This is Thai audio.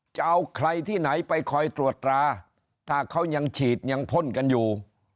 จะเอาใครที่ไหนไปคอยตรวจตราถ้าเขายังฉีดยังพ่นกันอยู่